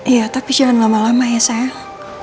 iya tapi jangan lama lama ya saya